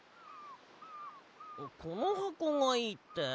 このはこがいいって？